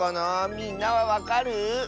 みんなはわかる？